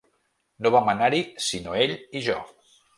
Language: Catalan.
No vam anar-hi sinó ell i jo.